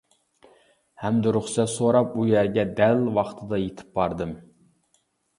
ھەمدە رۇخسەت سوراپ ئۇ يەرگە دەل ۋاقتىدا يىتىپ باردىم.